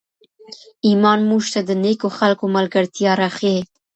ایمان موږ ته د نېکو خلکو ملګرتیا راښیي.